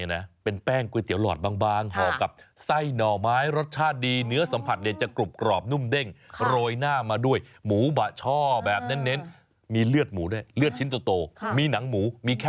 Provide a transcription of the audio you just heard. ฮ่ากูยเตี๋ยวหลอดเป็นอย่างไง